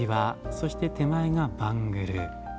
そして手前がバングル。